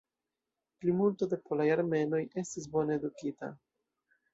Plimulto de polaj armenoj estis bone edukita.